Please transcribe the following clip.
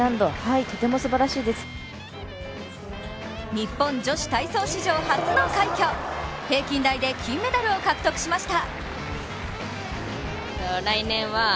日本女子体操史上初の快挙、平均台で金メダルを獲得しました。